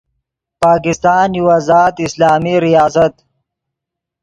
پاکستان یو آزاد اسلامی ریاست